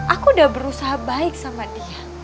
aku udah berusaha baik sama dia